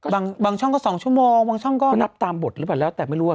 บางช่องก็๒ชั่วโมงบางช่องก็นับตามบทหรือเปล่าแล้วแต่ไม่รู้ว่า